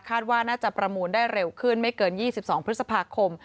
ว่าน่าจะประมูลได้เร็วขึ้นไม่เกิน๒๒พฤษภาคม